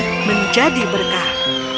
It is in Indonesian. kita akan menjadi berkah